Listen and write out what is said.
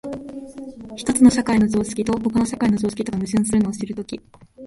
一つの社会の常識と他の社会の常識とが矛盾するのを知るとき、